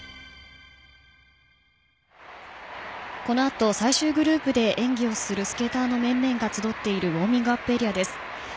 この後最終グループで演技をするスケーターの面々が集っているウォーミングアップエリアです。